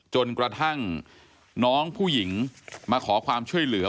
จนกระทั่งน้องผู้หญิงมาขอความช่วยเหลือ